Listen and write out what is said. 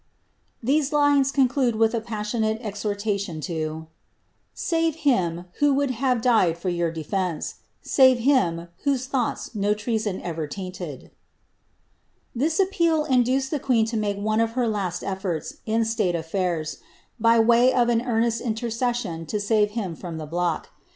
*' These lines conclude with a passionate exhortation to— ^ Save him who would have died for your defence I Save him whose thoughts no treason ever tainted 1*' This appeal induced the queen to make one of ber last efiforts in state a&irs, by way of an earnest intercession to save him from the block.